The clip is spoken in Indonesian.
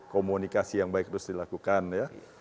komunikasi yang baik terus dilakukan ya